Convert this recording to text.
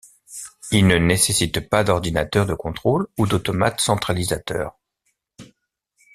Il ne nécessite pas d'ordinateur de contrôle ou d'automate centralisateur.